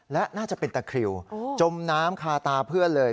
และน่าจะเป็นตะคริวจมน้ำคาตาเพื่อนเลย